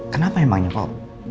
kenapa emangnya kok